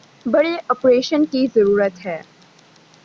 بڑے آپریشن کی ضرورت ہے